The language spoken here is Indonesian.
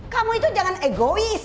kamu itu jangan egois